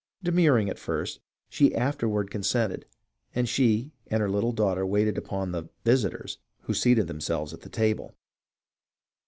De murring at first, she afterward consented, and she and her little daughter waited upon the "visitors," who seated themselves at the table.